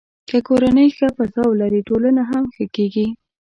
که کورنۍ ښه فضا ولري، ټولنه هم ښه کېږي.